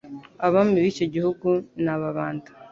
Abami b'icyo gihugu ni Ababanda.